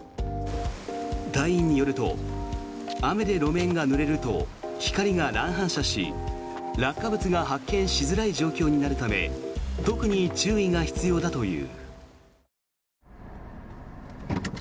隊員によると雨で路面がぬれると光が乱反射し落下物が発見しづらい状況になるため特に注意が必要だという。